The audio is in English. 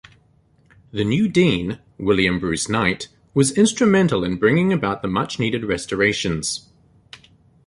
The new Dean, William Bruce Knight, was instrumental in bringing about the much-needed restorations.